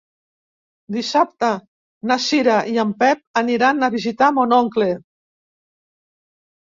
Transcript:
Dissabte na Cira i en Pep aniran a visitar mon oncle.